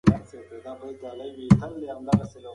که هغوی دا کار کړی وای، نو قاچاق به یې نیولی وای.